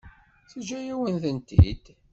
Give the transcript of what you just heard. Teǧǧa-yawen-tent-id.